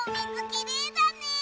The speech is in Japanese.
きれいだね。